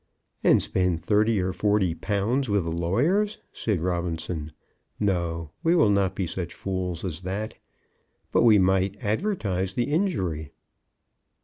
"And spend thirty or forty pounds with the lawyers," said Robinson. "No; we will not be such fools as that. But we might advertise the injury."